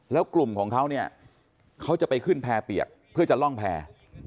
แล้วกลุ่มของเขาเนี่ยเขาจะไปขึ้นแพร่เปียกเพื่อจะล่องแพร่